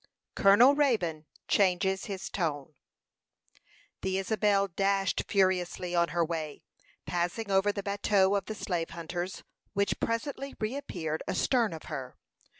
COLONEL RAYBONE CHANGES HIS TONE The Isabel dashed furiously on her way, passing over the bateau of the slave hunters, which presently reappeared astern of her.